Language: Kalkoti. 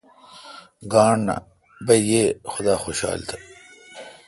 گانٹھ نہ۔ بہ یئ خدا خوشال تہ۔